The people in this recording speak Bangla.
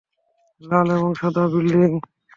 লাল এবং সাদা বিল্ডিং।